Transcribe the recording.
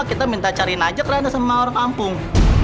kita minta cariin aja ternyata sama orang kampung